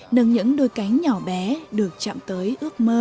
nâng những đôi cánh nhỏ bé được chạm tới ước mơ